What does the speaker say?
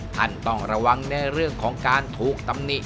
ต้องระวังในเรื่องของการถูกตำหนิ